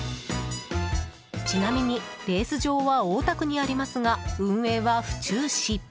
ちなみに、レース場は大田区にありますが運営は府中市。